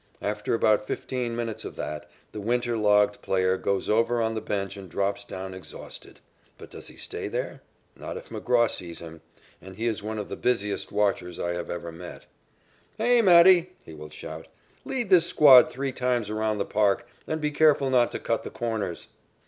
After about fifteen minutes of that, the winter logged player goes over on the bench and drops down exhausted. But does he stay there? Not if McGraw sees him, and he is one of the busiest watchers I have ever met. "Here, Matty," he will shout, "lead this squad three times around the park and be careful not to cut the corners."